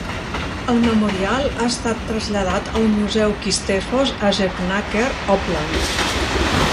El memorial ha estat traslladat al museu Kistefos a Jevnaker, Oppland.